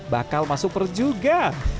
bakal masuk perut juga